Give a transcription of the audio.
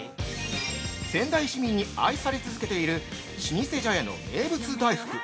◆仙台市民に愛され続けている老舗茶屋の名物大福。